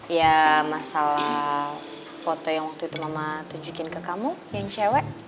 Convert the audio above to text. ya masalah foto yang waktu itu mama tunjukin ke kamu yang cewek